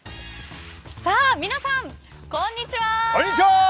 皆さん、こんにちは。